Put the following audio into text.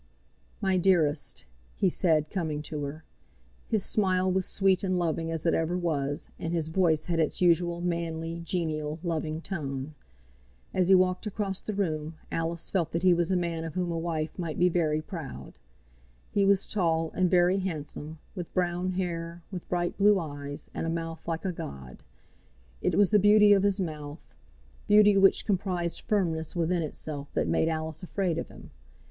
"My dearest," he said, coming to her. His smile was sweet and loving as it ever was, and his voice had its usual manly, genial, loving tone. As he walked across the room Alice felt that he was a man of whom a wife might be very proud. He was tall and very handsome, with brown hair, with bright blue eyes, and a mouth like a god. It was the beauty of his mouth, beauty which comprised firmness within itself, that made Alice afraid of him.